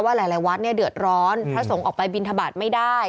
ว่าหลายวัดเดือดร้อนพระสงค์ออกไปบินทบาทไม่ได้